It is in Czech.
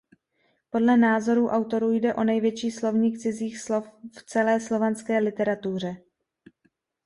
Podle názoru autorů jde o největší slovník cizích slov v celé slovanské literatuře.